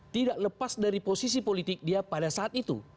tidak lepas dari posisi politik dia pada saat itu